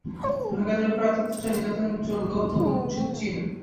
রোহিঙ্গাদের ওপর এত অত্যাচার, নির্যাতন চলল, তবু চুপ চীন।